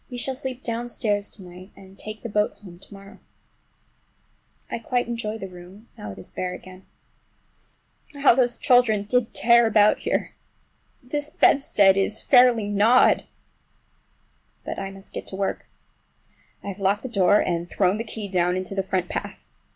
We shall sleep downstairs to night, and take the boat home to morrow. I quite enjoy the room, now it is bare again. How those children did tear about here! This bedstead is fairly gnawed! But I must get to work. I have locked the door and thrown the key down into the front path.